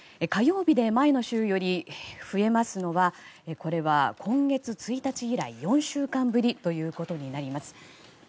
火曜日で前の週より増えますのは今月１日以来４週間ぶりということになります。